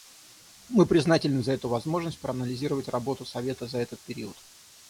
Мы признательны за эту возможность проанализировать работу Совета за этот период.